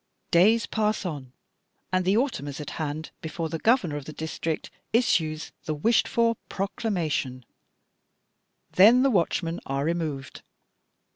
'Days pass on, and the autumn is at hand before the governor of the district issues the wished for proclamation; then the watchmen are removed.